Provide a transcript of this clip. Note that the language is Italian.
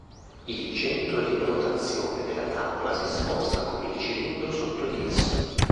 Il centro di rotazione della tavola si sposta come il cilindro sotto di esso.